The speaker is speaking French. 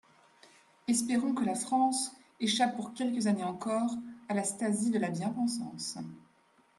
Espérons que la France échappe pour quelques années encore à la Stasi de la bien-pensance.